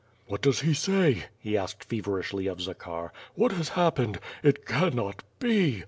'*VVhat does he say?" he asked feverishly of Zakhar. "What has happened? It cannot be!